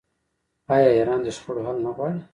آیا ایران د شخړو حل نه غواړي؟